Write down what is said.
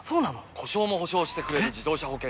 故障も補償してくれる自動車保険といえば？